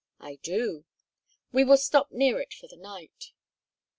"I do." "We will stop near it for the night."